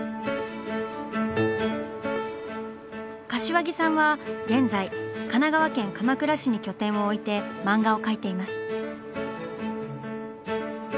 柏木さんは現在神奈川県鎌倉市に拠点を置いて漫画を描いています。